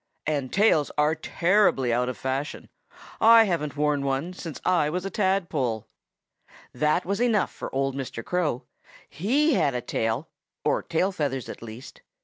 And tails are terribly out of fashion. I haven't worn one since I was a tadpole." That was enough for old Mr. Crow. He had a tail or tail feathers, at least.